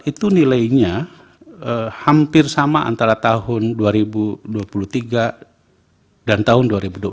itu nilainya hampir sama antara tahun dua ribu dua puluh tiga dan tahun dua ribu dua puluh tiga